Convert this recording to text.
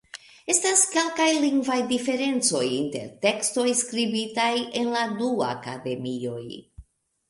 Estas kelkaj lingvaj diferencoj inter tekstoj skribitaj en la du akademioj.